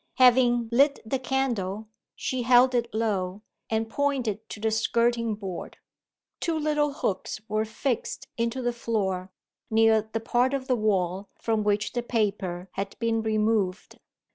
Having lit the candle, she hel d it low, and pointed to the skirting board. Two little hooks were fixed into the floor, near the part of the wall from which the paper had been removed.